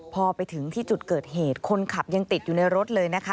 พอไปถึงที่จุดเกิดเหตุคนขับยังติดอยู่ในรถเลยนะคะ